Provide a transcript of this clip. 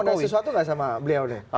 anda mau nanya sesuatu nggak sama beliau nih